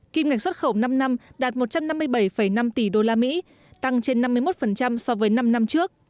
kim ngạch xuất khẩu năm năm đạt một trăm năm mươi bảy năm tỷ usd tăng trên năm mươi một so với năm năm trước